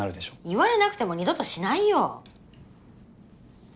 言われなくても二度としないよ！